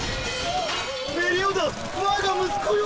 メリオダス我が息子よ！